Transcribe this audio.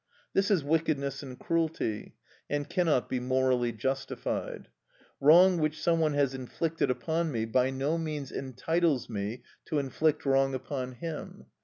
This is wickedness and cruelty, and cannot be morally justified. Wrong which some one has inflicted upon me by no means entitles me to inflict wrong upon him.